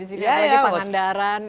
di sini lagi pengandaran